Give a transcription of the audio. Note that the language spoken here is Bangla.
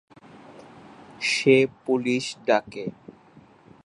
সে পুলিশকে ডাকে।